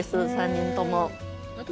３人とも。